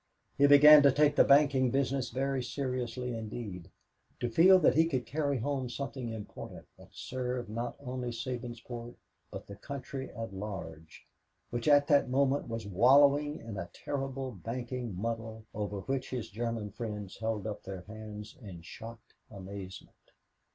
He began to take the banking business very seriously indeed, to feel that he could carry home something important and serve not only Sabinsport but the country at large, which at that moment was wallowing in a terrible banking muddle over which his German friends held up their hands in shocked amazement.